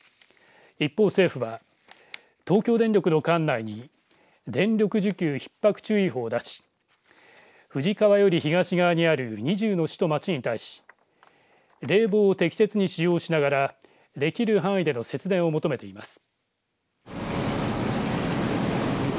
一方、政府は東京電力の管内に電力需給ひっ迫注意報を出し富士川より東側にある２０の市と町に対し冷房を適切に使用しながら、できる範囲での節電を求めています。